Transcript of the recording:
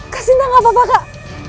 kak sinta gak apa apa kak